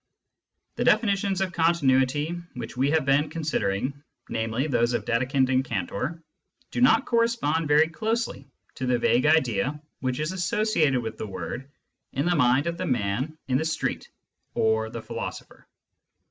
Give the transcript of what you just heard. The definitions of continuity which we have been considering, namely, those of Dedekind and Cantor, do not correspond very closely to the vague idea which is associated with the word in the mind of the man in the street or the philosopher.